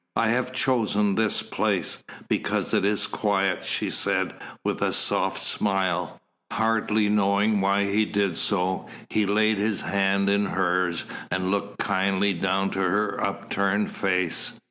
"I have chosen this place, because it is quiet," she said, with a soft smile. Hardly knowing why he did so, he laid his hands in hers and looked kindly down to her upturned face.